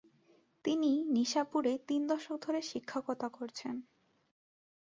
তিনি নিশাপুরে তিন দশক ধরে শিক্ষকতা করেছেন।